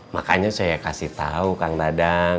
makanya saya kasih tahu kang dadan